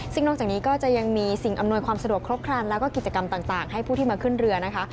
ซึ่งนอกจากนี้ก็จะยังมีสิ่งอำนวยความสะดวกครบครันแล้วก็กิจกรรมต่างให้ผู้ที่มาขึ้นเรือนะคะ